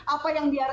apa yang dia